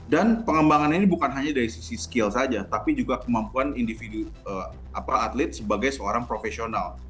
dan pengembangan ini bukan hanya dari sisi skill saja tapi juga kemampuan atlet sebagai seorang profesional